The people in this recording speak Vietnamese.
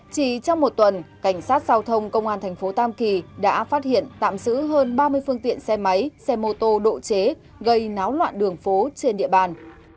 chỉ trong một tuần cảnh sát giao thông công an thành phố tam kỳ đã phát hiện tạm giữ hơn ba mươi phương tiện xe máy xe mô tô độ chế gây náo loạn đường phố trên địa bàn